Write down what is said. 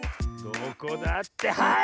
どこだってはい！